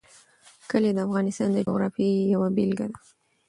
کلي د افغانستان د جغرافیې یوه بېلګه ده.